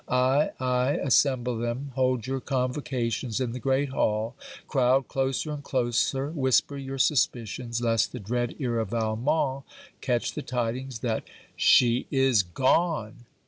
Ay! ay! assemble them: hold your convocations in the great hall: crowd, closer and closer: whisper your suspicions, lest the dread ear of Valmont catch the tidings, that _she is gone!